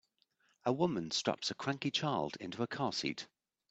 A woman straps a cranky child into a car seat.